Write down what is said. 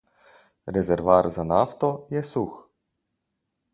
Rezervoar za nafto je suh.